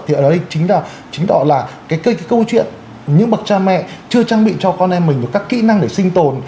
thì ở đây chính là cái câu chuyện những bậc cha mẹ chưa trang bị cho con em mình được các kỹ năng để sinh tồn